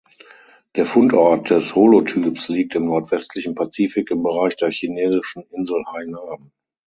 Der Fundort des Holotyps liegt im nordwestlichen Pazifik im Bereich der chinesischen Insel Hainan.